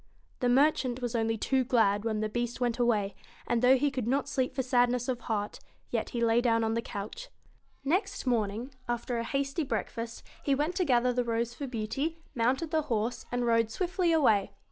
The merchant was only too glad when the Beast went away, and though he could not sleep for sad ness of heart, yet he lay down on the couch. Next morning, after a hasty breakfast, he went to gather the rose for Beauty, mounted the horse, and rode swiftly away.